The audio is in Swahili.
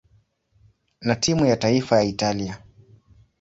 na timu ya taifa ya Italia.